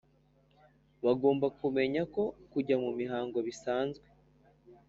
bagomba kumenya ko kujya mu mihango bisanzwe